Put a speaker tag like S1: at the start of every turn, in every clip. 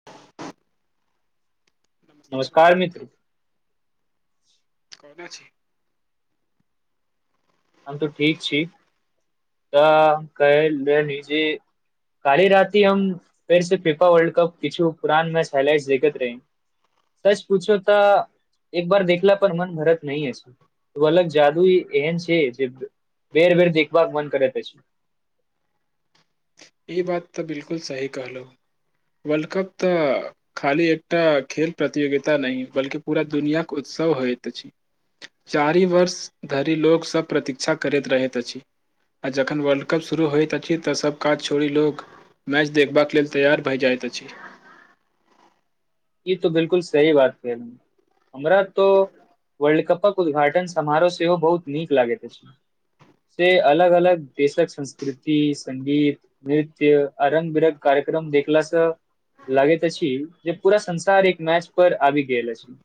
S1: [inaudible]
S2: नमस्कार मित्र
S1: केना छी
S2: हम तऽ ठीक छी तऽ कहल रहली जे काल्हि राति हम फेर से फीफा वर्ल्ड कप किछु पुरान मैच हाइलाइट्स देखैत रही सच पूछियौ तऽ एक बार देखला पर मन भरत नहि अछि ओ अलग जादू ही एहन छै जे बेर बेर देखबाक मन करैत अछि
S1: ई बात तऽ बिलकुल सही कहलहु वर्ल्ड कप तऽ खाली एकटा खेल प्रतियोगिता नहि बल्कि पूरा दुनियाके उत्सव होइत अछि चारि वर्ष धरि लोकसभ प्रतीक्षा करैत रहैत अछि आ जखन वर्ल्ड कप शुरू होइत अछि तऽ सब काज छोड़ि लोग मैच देखबाक लेल तैयार भए जाइत अछि
S2: ई तो बिल्कुल सही बात कहलू हमरा तो वर्ल्ड कपक उद्घाटन समारोह सेहो बहुत नीक लागैत अछि से अलग-अलग देशक संस्कृति, संगीत नृत्य आ रंग-बिरंगक कार्यक्रम देखलासँ लागेैत अछि जे पूरा संसार एक मैच पर आबि गेल अछि।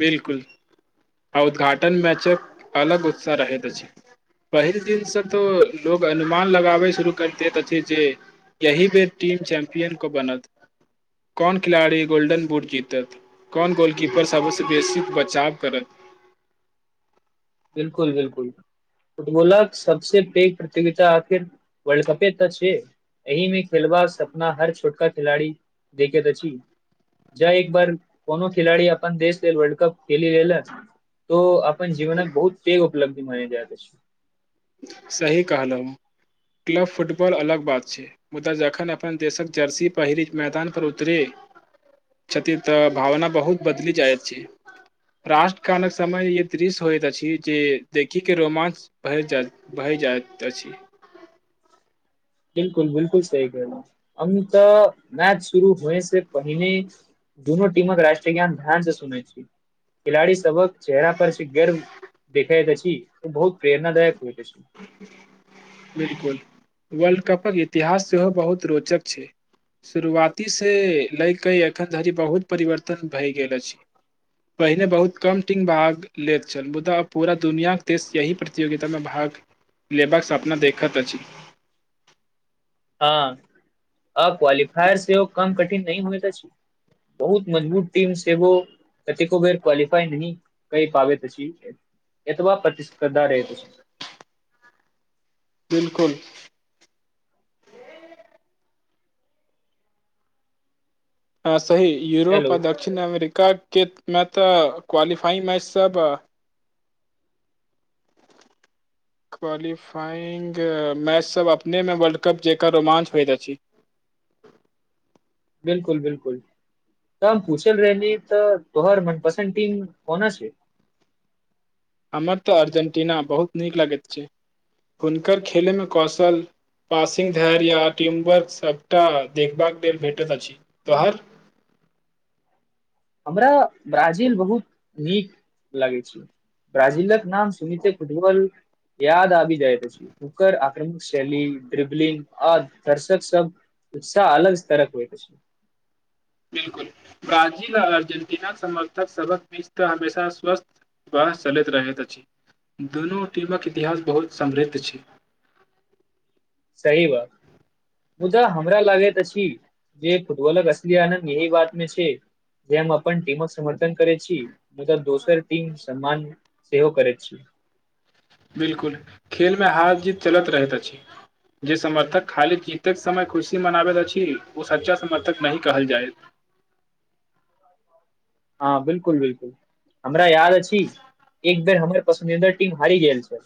S1: बिल्कुल आ उद्घाटन मैचक अलग उत्साह रहैत अछि। पहिल दिनसँ तो लोग अनुमान लगाबै शुरू करतेै तऽ अछि से एही बेर टीम चैम्पियन को बनत कौन खिलाड़ी गोल्डन बुट जीतत, कौन गोलकीपरसँ सबसँ बेसी बचाव करत?
S2: बिल्कुल, बिल्कुल। फुटबॉलक सबसे पैघ प्रतियोगिता आखिर वर्ल्ड कपे तऽ छै एहिमे खेलबासॅं सपना हर छोटका खिलाड़ी देखैत अछि जाहि पर कोनो खेलारी अपन देश लेल वर्ल्ड कप खेलि लेलक तो अपन जीवनक बहुत पैघ उपलब्धि मानि रहल छइ।
S1: सही कहलहुँ, क्लब फुटबॉल अलग बात छै मुदा जखन अपन देशक जर्सी पहिरी मैदान पर उतरै छथिन तऽ भावना बहुत बदलि जाइत छै। राष्ट्र कालक समय ये दृश्य होइत अछि जे देखीके रोमांच भरि जाइत भरि जाएत अछि।
S2: बिल्कुल, बिलकुल। सही कहलहुँ हम तऽ मैच शुरू होइसॅं पहिने दुनू टीमक राष्ट्रीय गान धेआन सुनै छी, खिलाड़ी सभक चेहरा पर गर्व देखाइत अछि तऽ बहुत प्रेरणादायक होइत अछि।
S1: बिल्कुल, वर्ल्ड कपक इतिहास सेहो बहुत रोचक छै! शुरुआतीसँ लए कऽ एखन धरि बहुत परिवर्तन भए गेल अछि। पहिने बहुत कम टीम भाग लैत छल मुदा आब पूरा दुनिआके देश एहि प्रतियोगितामे भाग लेबाक सपना देखैत अछि।
S2: हँ आ क्वालिफायर सेहो कम कठिन नहि होयत अछि बहुत मजबूत टीम सेहो कतेको बेर क्वालिफाइ नहि करि पाबैत अछि एतबा तऽदारेै त छै [unintelligible]
S1: बिल्कुल हॅं सही, यूरोप
S2: हेलो
S1: आ दक्षिण अमेरिकाके मे तऽ क्वालिफाइंग मैच सभ क्वालिफाइंग मैच सभ अपनेमे वर्ल्ड कप जकाॅं रोमांच होइत अछि
S2: बिल्कुल, बिल्कुल। त हम पूछल रहे तऽ तोहार मनपसन्द टीम कोना छै?
S1: हमर तऽ अर्जेंटीना बहुत नीक लगैत छै हुनकर खेलेमे कौशल पासिंग धैर्य या टीम वर्क सबटा देखबाक लेल भेटैत अछि, तोहर?
S2: हमरा ब्राजील बहुत नीक लगै छै। ब्रााजीलक नाम सुनिते फुटबॉल याद आबि जाइत अछि। ओकर आक्रमक शैली, ड्रिबलिंग आ दर्शक सब उत्साह अलग तरक होइत अछि
S1: बिल्कुल, ब्राजील आ अर्जेंटीना समर्थक सबक बीच तऽ हमेशा स्वस्थ बाह! चलैत रहैत अछि, दुनू टीमक इतिहास बहुत समृद्ध छै।
S2: सही बात। मुदा हमरा लागैत अछि जे फुटबॉलक असली आनन्द एही बातमे छै जे हम अपन टीमक समर्थन करै छी मुदा दोसर टीमक सम्मान सेहो करै छी
S1: बिल्कुल, खेलमे हार-जीत चलत रहैत अछि। जे समर्थक खाली जीतक समय खुशी मनाबैत अछि ओ सच्चा समर्थक नहि कहल जाइत।
S2: हँ, बिल्कुल बिल्कुल। हमरा याद अछि एक बेर हमर पसन्दीदा टीम हारि गेल छै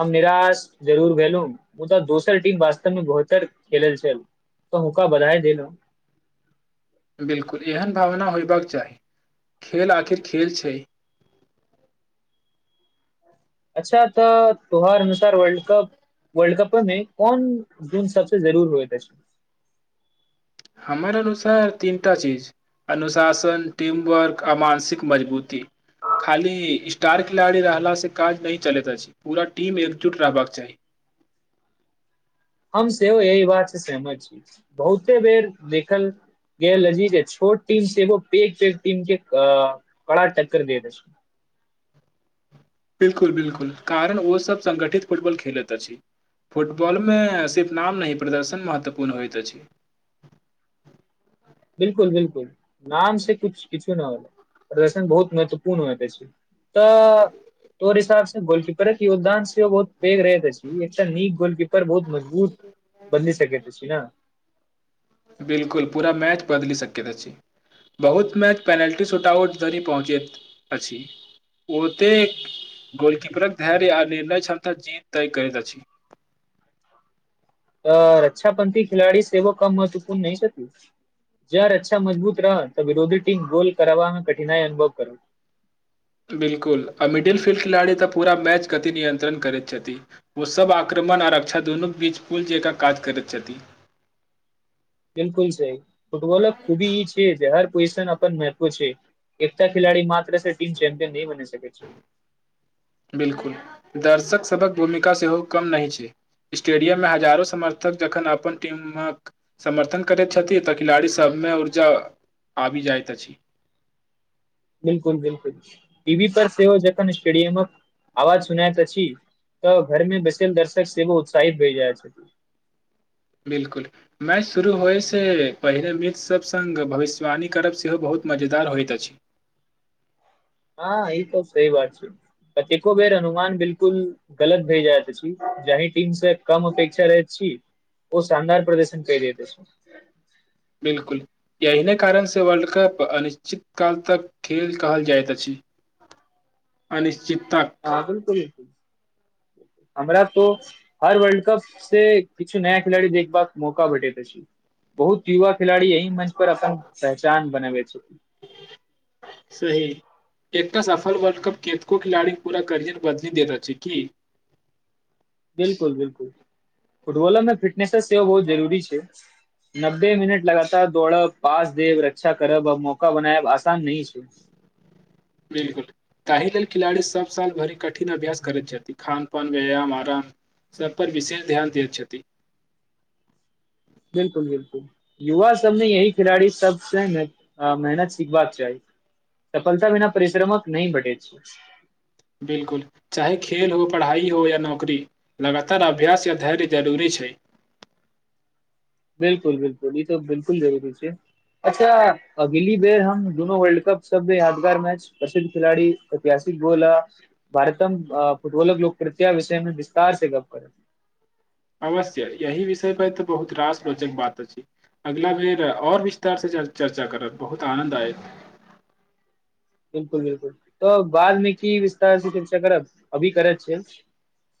S2: हम निराश जरूर भेलू मुदा दोसर टीम वास्तव मे ब बेहतर खेलल छल त हुनका बधाय देलो
S1: बिलकुल एहन भावना होयबाक चाही खेल आखिर खेल छै
S2: अच्छा तऽ तोहर अनुसार वर्ल्ड कप वर्ल्ड कप में कोन गुन सबसँ जरूुर होएत अछि
S1: हमर अनुसार तीनटा चीज अनुशासन टीम वर्क आ मानसिक मजबूती खाली स्टार खिलाड़ी रहलला से काज न चलैत अछि पूरा टीम एकजुट रहबाक चाही
S2: हम सेहो एहि बात से सहमत छीय बहुते बेर देखल गेल अछि जे छोट टीम से पेग पैेग टीम के कड़ा टक्कर दे दे अछि
S1: बिल्कुल बिल्कुल कारण ओ सब संगठित फुटबॉल खेलैत अछि फुटबॉल मे सिर्फ नाम नहि प्रदर्शन महत्वपूर्ण होइत अछि
S2: बिल्कुल बिल्कूल नाम से कुछ किछु न होले प्रदर्शन बहुत महत्वपूर्ण होइत अछि त तोहर हिसाब से गोलकीपर के योगदान सेहो ओ बहुत पेग रहैत अछि एकटा नीक गोलकीपर बहुत मजबूत उद [unintelligible] बाइज सके त छी ने
S1: बिल्कुल पूरा मैच बदली अछि बहुत मैच पेनल्टी सुट आउट धरि पहुँचेत अछि ओते गोलकीपरक धैर्य आ निर्णय क्षमता जीत तय करैत अछि
S2: अ रक्षा पथी खिलाड़ी सेहो कम महत्वपूर्ण न छथि जड़ अच्छा मजबूत रह त विरोधी टीम गोल करबामे कठिनाई अनुभव कर
S1: बिल्कुल आ मिडिल फील्ड खिलाड़ी त पूरा मैच गति नियन्त्रण करैत छथि ओ सभ आक्रमण आ रक्षा दुनू बीच पुल जकाँ काज करैत छथि
S2: बिल्कूल सही फुटबॉलक खूबी ई छै जे हर पॉजिशन अपन एकटा खिलाड़ी मात्र से टीम चेम्पियन नय बनि सके छै
S1: बिल्कुल दर्शक सभक भूमिका सेहो कम न होय छै स्टेडियम मे हजारो समर्थक जखन अपन टीमक समर्थन करैत छथि त खिलाड़ी सभमे ऊर्जा आबि जाइत अछि
S2: बिल्कूल बिल्कूल टीवी पर सेहो जकन स्टेडियम आवाज सुनायत अछि त घरमे बैसल दर्शक सेहो उत्साहित भए जाए छै
S1: बिल्कूल मैच शुरू होयसँ पहिनेे मित्रसभ सभ संग भविष्यवाणी करब सेहो बहुत मजेदार होइत अछि
S2: हँ ई त सही बात छै कतेको बेेर अनुमान बिल्कूल गलत भे जाइत आछि जाहि टीम से कम अपेक्षा रहैत छी ओ शानदार प्रदर्शन के देत अछि
S1: बिल्कूल एहिने कारण सँ वर्ल्ड कप अनिश्चित काल तक खेल कहल जाइत अछि अनिश्चिता
S2: हाँ बिल्कूल हमरा तो हर वर्ल्ड कप से किछु नया खिलाड़ी देखबाक मौका भेटेत अछि बहुत युवा खिलाड़ी यही मंच पर अपन पहचान बनाबे छी
S1: सही एकटा सफल वर्ल्ड कप केतको खिलाड़ी पूरा करियर बदलि देत अछि की
S2: बिल्कुल बिल्कुल फुटबॉल मे फिटनेस सेब बहुत जरूरी छै नब्बे मिनट लगातार दौड़ब पास देब रक्षा करब अ मौका बनायब आसान नह छै
S1: बिल्कुल ताहि लेल खिलाड़ी सभ साल भरि कठिन अभ्यास करैत छथि खान पान व्यायाम आराम सभ पर विशेष ध्यान दिय छथि
S2: बिल्कुल बिल्कुल युवा सब ने यही खिलाड़ी सबसँ मेहनत सिखबाक चाही सफलता बिना परिश्रमक नहि भेटे छै
S1: बिल्कुल, चाहे खेले हो, पढ़ाइ हो या नौकरी लगातार अभ्यास या धैर्य जरूरी छै।
S2: बिल्कुल बिल्कुल, ई तॅं बिल्कुल जरूरी छै अच्छा, अगली बेर हम दुनो वर्ल्ड-कप सब यादगार मैच पसिन खिलाड़ी ऐतिहासिक गोला भारतमे फुटबॉलक लोकप्रियता विषयमे विस्तार से गप करब
S1: अवश्य यही विषय पर तॅं बहुत रास रोचक बात अछि। अगला बेर और विस्तार से चर्चा करब बहुत आनंद आयत
S2: बिल्कुल बिल्कुल, त बादमे की विस्तार से चर्चा करब अभी करै छिय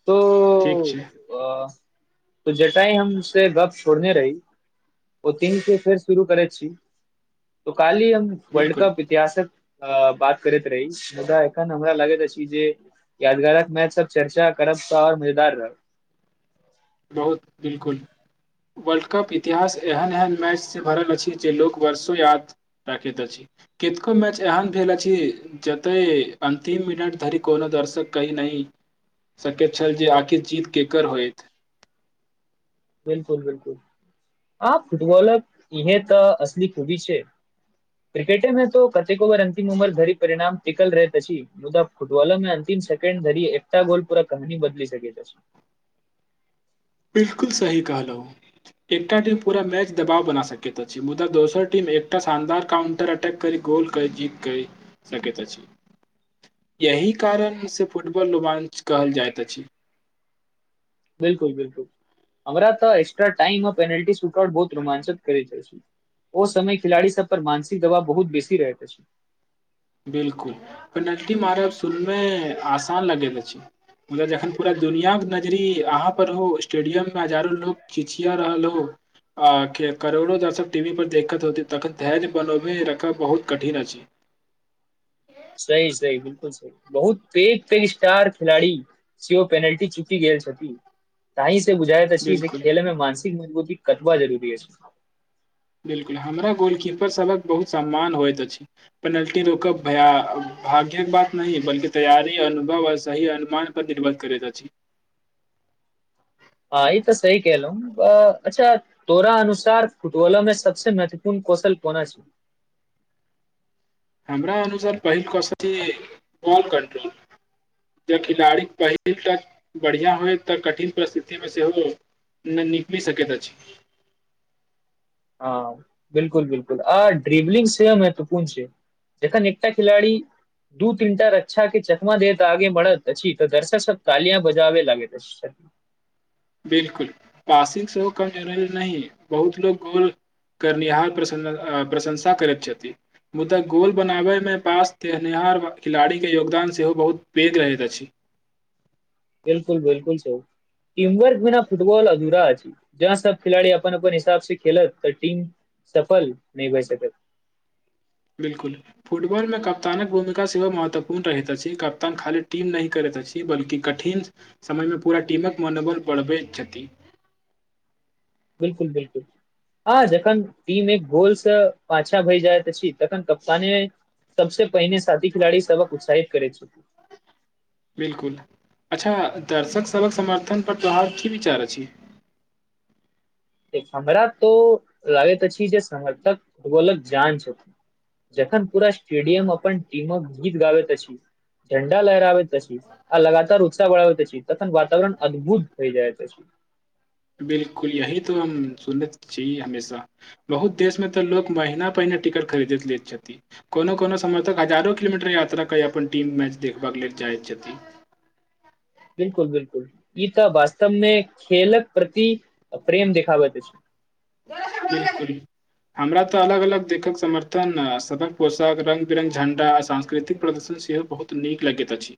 S2: तो
S1: ठीक छै
S2: जतहि हम से गप छोड़ने रही ओतहि से फेर शुरू करैत छी तऽ काल्हि हम
S1: बिलकुल
S2: वर्ल्ड-कप इतिहासक बात करैत रही मुदा एखन हमरा लागैत अछि जे यादगारक मैच सब चर्चा करब तऽ मजेदार रहत
S1: बहुत, बिलकुल। वर्ल्ड-कप इतिहास एहन-एहन मैचसँ भरल अछि जे लोक वर्षो याद राकित [unintelligible] छी कतको मैच एहन भेल अछि जतय अन्तिम मिनट धरि कोनो दर्शक कहि नहि सकैत छल जे आखिर जीत केकर होयत?
S2: बिल्कुल, बिल्कुल आ फुटबॉलक इहे तऽ असल खूबी छै! क्रिकेटे मे तो कतेको बेर अंतिम ओभर धरि परिणाम टिकल रहैत अछि मुदा फुटबॉलरमे अंतिम सेकंड धरि एकटा गोल पूरा कहानी बदलि सकैत अछि।
S1: बिल्कुल सही कहलहुँ। एकटा टीम पूरा मैच दबाव बना सकैत अछि मुदा दोसर टीम एकटा शानदार काउंटर अटैक करि गोल कए जीत सकैत अछि यही कारण इसे फुटबॉल रोमांच कहल जाएत अछि
S2: बिल्कुल, बिल्कुल। हमरा तॅं एकस्ट्रा टाइम आ पेनाल्टी सुट आउट बहुत रोमांचक करैत अछि। ओ समय खिलाड़ी सभ पर मानसिक दबाव बहुत बेसी रहैत अछि।
S1: बिल्कुल पेनल्टी मारब सुनऽमे आसान लगैत अछि मुदा जखन पूरा दुनियाके नजररि अहाँ पर हो, स्टेडियममे हजारो लोग खिचिया रहल हो आ करोड़ो दर्शक टीवी पर देखैत होते तखन धैर्य बनबमे रखब बहुत कठिन अछि। हॅं [unintelligible]
S2: सही, सही। बिल्कुल सही। बहुत पैघ-पैघ स्टार खेलाड़ी सेहो पेनल्टी चुकि गेल छथि तहि से बुझाय -इत जे
S1: बिलकुल
S2: खेलऽमे मानसिक मजबूती कतबा जरूरी अछि?
S1: बिल्कुल, हमरा गोलकीपर सभक बहुत सम्मान होइत अछि पेनल्टी रोकब भय भाग्य्यक बात नहि अछि बल्कि तैयारी अनुभव आ सही अनुमान पर निर्भर करैत अछि।
S2: हँ, ई तऽ सही कहलहुँ। अच्छा तोरा अनुसार फुटबॉलोमे सबसँ महत्वपूर्ण कौशल कोन अछि?
S1: हमरा अनुसार पहिल [unintelligible] कंट्रोल जब खिलाड़ी पहिल तक बढ़िया होय तऽ कठिन परिस्थितिमे सेहो नहि निकलि सकैत अछि।
S2: हँ, बिल्कुल-बिल्कुल आ ड्रिवलिंग सेहो महत्त्वपूर्ण छै जखन एकटा खिलाड़ी दू तीनटा रक्षाके चकमा दे तऽ आगे बढत अछि तऽ दर्शक सब तालिया बजाबे लागे अछि। नि [unintelligible]
S1: बिल्कुल, पासिंग सेहो कम जरूरी नहि अछि, बहुत लोक गोल करनिहार प्रशंसा करैत छथि। मुदा गोल बनाबऽमे पास तनिहार खिलाड़ीके योगदान सेहो बहुत पैघ रहैत अछि।
S2: बिल्कुल बिल्कुल। टीम वर्क बिना फुटबल अधूरा अछि। जै सब खिलाड़ी अपन अपन हिसाब से खेलत तकर टीम सफल नहि भए सकत
S1: बिलकुल फुटबॉल मे कप्तानक भूमिका सेहो महत्वपूर्ण रहैत अछि कप्तान खाली टीम नहि करैत अछि बल्कि कठिन समझ लु पूरा टीमक मनोबल बढ़बैत छथि
S2: बिलकुल बिलकुल आ जखन टीम एक गोलसँ पाछा भय जाय तखन कप्तान सबसँ पहिने साथी खिलाड़ी सबक उत्साहित करैत छथि
S1: बिलकुल अच्छ दर्शक सबक समर्थन पर तोहार की विचार अछि
S2: हमरा तो लागे अछि जे समर्थक गेल क जान छथिन जखनपुरा स्टेडियम अपन टीम क गीत गाबे अछि झंडा लहराबैत अछि आ लगातार उत्साह वढ़बै त छी तखन वातावरण अद्भुत होइ जाइ त छी
S1: बिलकुल यही त हम सुनने छिए हमेशा बहुत देश में तऽ लोग महीना पहिने टिकट खरीद लैत छथिन कोनो कोनो समर्थक हजारो किलोमीटर यात्रा करेए अपन टीम मैच देखबाक लेल जाइ छथि
S2: बिलकुल बिलकुल ई तऽ वास्तवमे खेलक प्रति प्रेम देखाबैत छै
S1: [inaudible] हमरा ते अलग अलग देखक समर्थन सदक पोषक रंग बिरंग झंडा सांस्कृतिक प्रदर्शन सेहो बहुत नीक लगेत अछि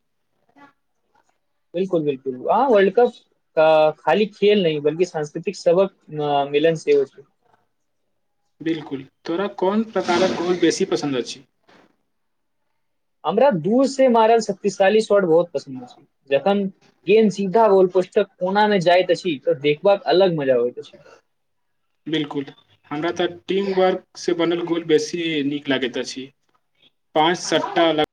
S2: बिल्कुल बिल्कुल हाँ वर्ल्ड कप खाली खेल नय बल्कि सांस्कृतिक सबक अ मिलन सेहो छै
S1: बिल्कुल तोरा कोन प्रकारक कोल बेसी पसन्द अछि
S2: हमरा दूर से मारल शक्तिशाली शॉट बहुत पसन्द अछि जखन गेंद सीधा गोल पोस्ट कोनामे जाइत अछि त देखबाक अलग मजा अबैत अछि
S1: बिल्कुल हमरा तऽ टीम वर्क से बनल गोल बेसी नीक लागैत अछि पाँच सट्टा ल